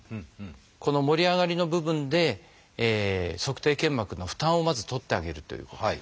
この盛り上がりの部分で足底腱膜の負担をまず取ってあげるということ。